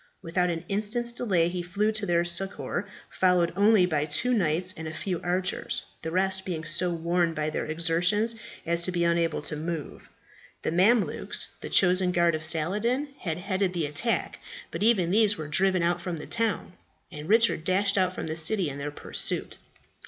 Without an instant's delay he flew to their succour, followed only by two knights and a few archers, the rest being so worn by their exertions as to be unable to move. The Mamelukes, the chosen guard of Saladin, had headed the attack; but even these were driven out from the town, and Richard dashed out from the city in their pursuit.